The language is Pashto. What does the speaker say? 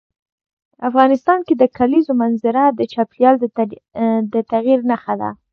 افغانستان کې د کلیزو منظره د چاپېریال د تغیر نښه ده.